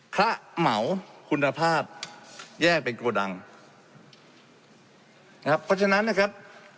พระเหมาคุณภาพแยกเป็นโกดังนะครับเพราะฉะนั้นนะครับ